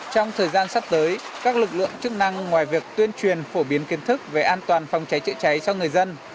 trong thời gian sắp tới các lực lượng chức năng ngoài việc tuyên truyền phổ biến kiến thức về an toàn phòng cháy chữa cháy cho người dân